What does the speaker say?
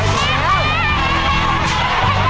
จำนวน๒๕ชุด